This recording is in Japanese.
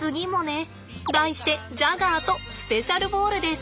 題してジャガーとスペシャルボールです。